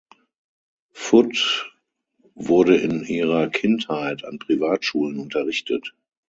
Foot wurde in ihrer Kindheit an Privatschulen unterrichtet.